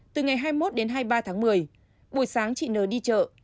từ ngày hai mươi một đến hai mươi ba tháng một mươi buổi sáng chị n đi chợ